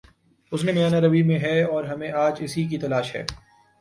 حسن میانہ روی میں ہے اور ہمیں آج اسی کی تلاش ہے۔